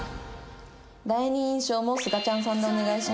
「第二印象もすがちゃんさんでお願いします」